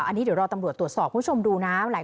อันนี้เดี๋ยวรอตำรวจตรวจสอบคุณผู้ชมดูนะ